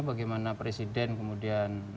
bagaimana presiden kemudian